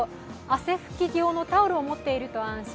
汗ふき用のタオルを持っていると安心。